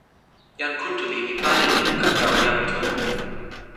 jan Kuntuli li pana e luka tawa jan Tu.